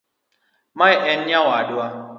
Mae en nyawadwa.